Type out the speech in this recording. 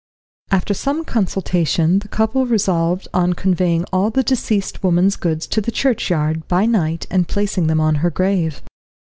After some consultation the couple resolved on conveying all the deceased woman's goods to the churchyard, by night, and placing them on her grave.